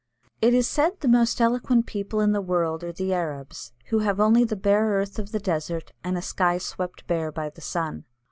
It is said the most eloquent people in the world are the Arabs, who have only the bare earth of the desert and a sky swept bare by the sun.